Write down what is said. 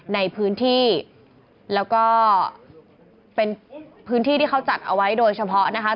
ในพื้นที่แล้วก็เป็นพื้นที่ที่เขาจัดเอาไว้โดยเฉพาะนะคะ